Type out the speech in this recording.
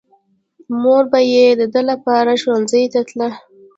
مور به يې د ده لپاره ښوونځي ته تله.